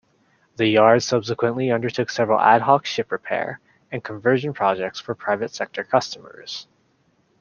The yard subsequently undertook several ad-hoc ship repair and conversion projects for private-sector customers.